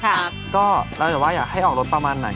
เราจะว่าอยากให้ออกรสประมาณไหน